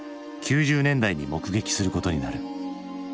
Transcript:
９０年代に目撃することになる。